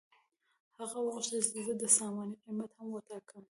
هغه وغوښتل چې زه د سامان قیمت هم وټاکم